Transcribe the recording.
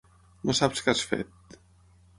No saps què has fet.